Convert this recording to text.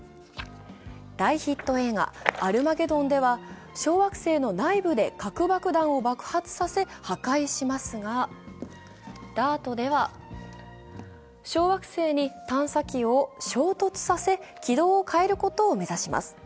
大ヒット映画「アルマゲドン」では、小惑星の内部で核爆弾を爆発させ破壊しますが、ＤＡＲＴでは小惑星に探査機を衝突させ、軌道を変えることを目指します。